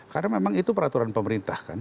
karena memang itu peraturan pemerintah kan